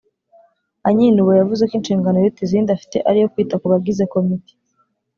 anyinuba Yavuze ko inshingano iruta izindi afite ari iyo kwita ku bagize komiti